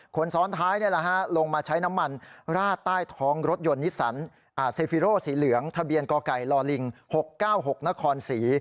คนซ้อนท้ายลงมาใช้น้ำมันราดใต้ท้องรถยนต์นิสสันเซฟิโรสีเหลืองทะเบียนกไก่ลิง๖๙๖นครศรี